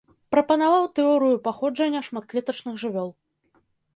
Прапанаваў тэорыю паходжання шматклетачных жывёл.